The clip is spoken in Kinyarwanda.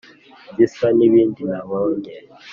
gisa n' ibindi nabonye